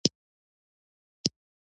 زه د ځان ښه نسخه جوړوم.